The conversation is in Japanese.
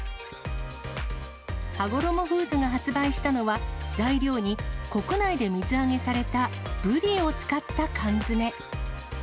はごろもフーズが発売したのは、材料に国内で水揚げされたブリを使った缶詰。